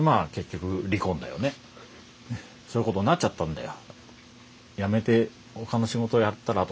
そういうことになっちゃったんだよ。